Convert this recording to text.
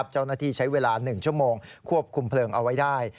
เจ้าหน้าที่ใช้เวลา๑ชั่วโมงควบคุมเพลิงเอาไว้ได้